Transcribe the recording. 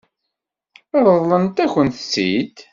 Ṛeḍlent-akent-tt-id?